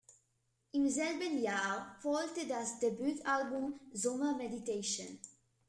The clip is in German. Im selben Jahr folgte das Debütalbum "Summer Meditation".